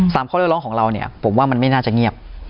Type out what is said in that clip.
ข้อเรียกร้องของเราเนี่ยผมว่ามันไม่น่าจะเงียบ